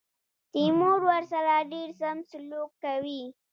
تیمور ورسره ډېر سم سلوک کوي.